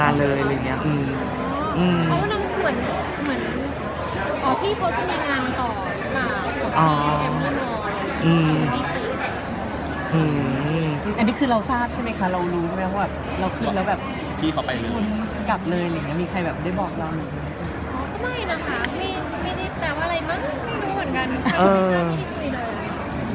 ไม่รู้เหมือนกันอ่ะคือทีมีทุยโดย